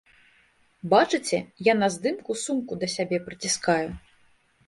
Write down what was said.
Бачыце, я на здымку сумку да сябе прыціскаю.